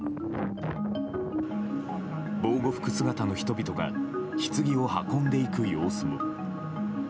防護服姿の人々がひつぎを運んでいく様子も。